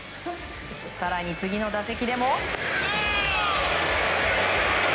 更に次の打席でも。